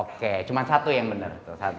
oke cuma satu yang benar